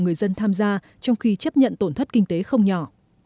người dân tham gia trong khi chấp nhận tổn thất kinh tế không nhỏ